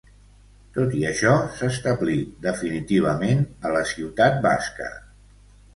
Tot i això, s'establí definitivament a la ciutat basca.